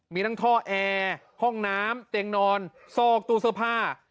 มีทั้งท่อแอร์ห้องน้ำเตียงนอนซอกตู้เสื้อผ้า